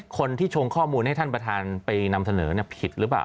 คนที่ชงข้อมูลให้ท่านประธานไปนำเสนอผิดหรือเปล่า